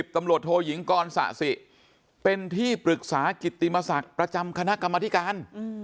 ตำรวจโทยิงกรสะสิเป็นที่ปรึกษากิติมศักดิ์ประจำคณะกรรมธิการ